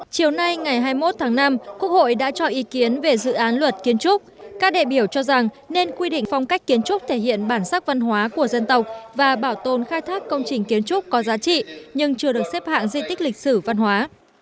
chiều nay ngày hai mươi một tháng năm quốc hội đã cho ý kiến về dự án luật kiến trúc các đại biểu cho rằng nên quy định phong cách kiến trúc thể hiện bản sắc văn hóa của dân tộc và bảo tồn khai thác công trình kiến trúc có giá trị nhưng chưa được xếp hạng di tích lịch sử văn hóa